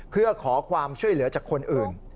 เพื่อขอความช่วยเหลือจากคนอื่น